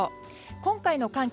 今回の寒気